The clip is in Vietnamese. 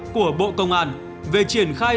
của bộ công an về triển khai